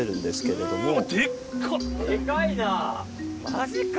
マジか！